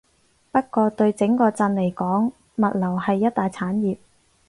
不過對整個鎮嚟講，物流係一大產業